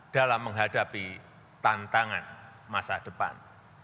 dalam menghadapi tantangan masa depan